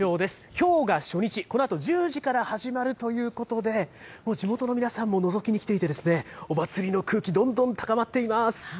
きょうが初日、このあと１０時から始まるということで、もう地元の皆さんものぞきに来ていて、おまつりの空気、どんどん高まっています。